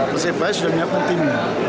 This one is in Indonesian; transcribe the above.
persebaya sudah menyiapkan tim